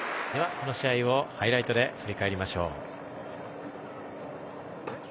この試合をハイライトで振り返りましょう。